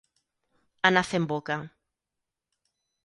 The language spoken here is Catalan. Anar fent boca.